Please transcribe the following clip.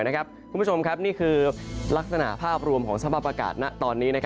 ของคุณผู้ชมครับนี่คือลักษณะภาพรวมของสมบัติประกาศตอนนี้